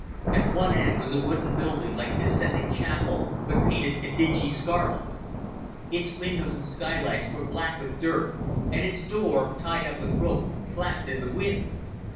At one end was a wooden building like a dissenting chapel, but painted a dingy scarlet. Its windows and skylights were black with dirt, and its door, tied up with rope, flapped in the wind.